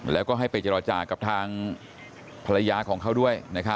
แล้วก็ให้ไปเจรจากับทางภรรยาของเขาด้วย